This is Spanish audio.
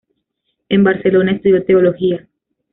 En Barcelona estudió teología.